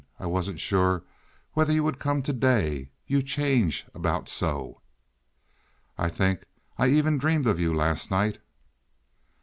I wasn't sure whether you would come to day, you change about so. I think I even dreamed of you last night."